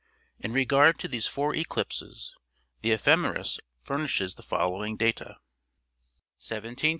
In regard to these four eclipses the ephemeris furnishes the following data :| 1728, Feb.